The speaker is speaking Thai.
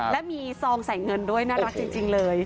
และมีซองใส่เงินด้วยน่ารักจริงเลย